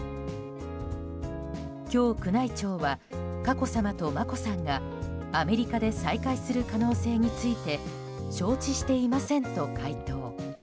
今日、宮内庁は佳子さまと眞子さんがアメリカで再開する可能性について承知していませんと回答。